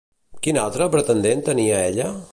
Quin altre pretendent tenia ella?